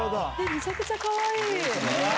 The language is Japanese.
めちゃくちゃかわいい！